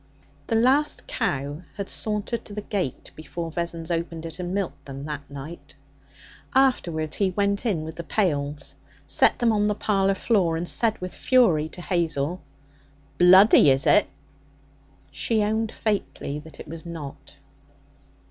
The last cow had sauntered to the gate before Vessons opened it and milked them that night. Afterwards he went in with the pails, set them on the parlour floor, and said with fury to Hazel: 'Bloody, is it?' She owned, faintly, that it was not.